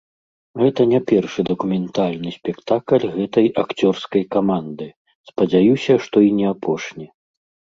Гэта не першы дакументальны спектакль гэтай акцёрскай каманды, спадзяюся, што і не апошні.